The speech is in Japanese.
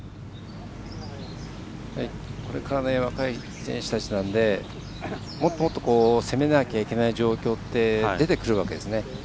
これからの若い選手たちなのでもっともっと攻めなきゃいけない状況って出てくるわけですね。